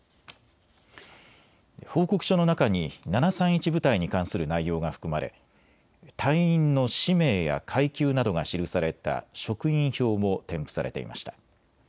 報告の中に７３１部隊に関する内容が含まれ隊員の氏名や階級などが記された職員表も添付されていました。